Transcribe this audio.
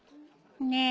ねえ